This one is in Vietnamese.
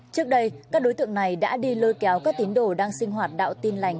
trước đây các đối tượng này đã đi lôi kéo các tín đồ đang sinh hoạt đạo tin lành